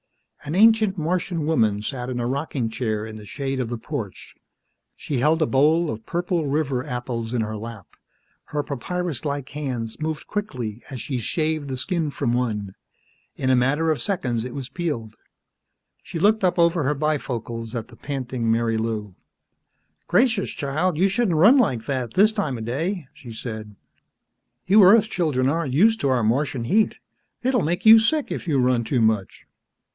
An ancient Martian woman sat in a rocking chair in the shade of the porch. She held a bowl of purple river apples in her lap. Her papyrus like hands moved quickly as she shaved the skin from one. In a matter of seconds it was peeled. She looked up over her bifocals at the panting Marilou. "Gracious, child, you shouldn't run like that this time of day," she said. "You Earth children aren't used to our Martian heat. It'll make you sick if you run too much."